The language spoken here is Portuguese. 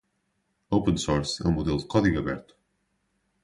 Open Source é um modelo de código aberto.